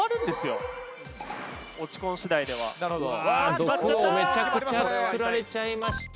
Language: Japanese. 「毒をめちゃくちゃ作られちゃいました」